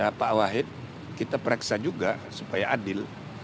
ya pak wahid kita pereksa juga supaya adil